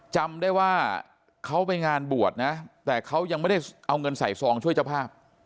จำได้ว่าเขาไปงานบวชนะแต่เขายังไม่ได้เอาเงินใส่ซองช่วยเจ้าภาพ